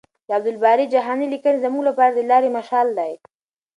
د عبدالباري جهاني لیکنې زموږ لپاره د لارې مشال دي.